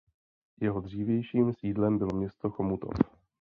Jeho dřívějším sídlem bylo město Chomutov.